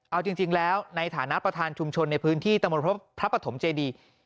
เอาจริงแล้วในฐานะประธานชุมชนในพื้นที่ตะมนต์พระปฐมเจดี